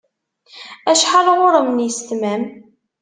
Acḥal ɣur-m n yisetma-m?